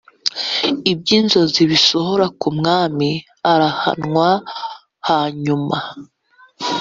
iby inzozi bisohora ku mwami arahanwa hanyuma